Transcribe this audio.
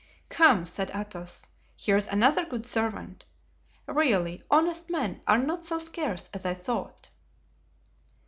"Come," said Athos, "here's another good servant. Really, honest men are not so scarce as I thought."